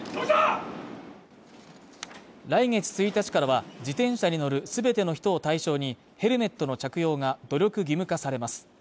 来月１日からは自転車に乗る全ての人を対象にヘルメットの着用が努力義務化されます。